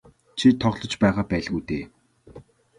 Чи тоглож байгаа байлгүй дээ.